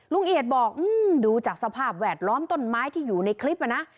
เอียดบอกดูจากสภาพแวดล้อมต้นไม้ที่อยู่ในคลิปนะ